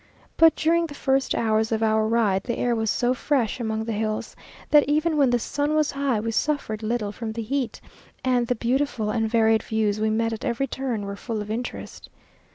But during the first hours of our ride, the air was so fresh among the hills, that even when the sun was high, we suffered little from the heat; and the beautiful and varied views we met at every turn were full of interest.